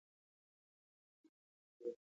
ځنګلونه د افغانستان د ځمکې د جوړښت نښه ده.